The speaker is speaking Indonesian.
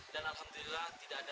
dan alhamdulillah tidak ada